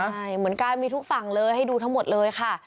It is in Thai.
ใช่เหมือนกันมีทุกฝั่งเลยให้ดูทั้งหมดเลยค่ะ